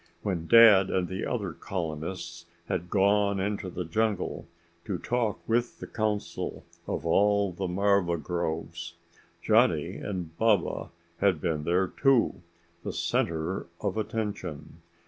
When Dad and the other colonists had gone into the jungle to talk with the council of all the marva groves, Johnny and Baba had been there too the center of attention.